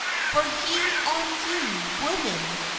"Fye on ye, women!